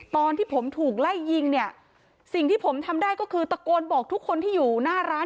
ตอนที่ผมถูกไล่ยิงเนี่ยสิ่งที่ผมทำได้ก็คือตะโกนบอกทุกคนที่อยู่หน้าร้าน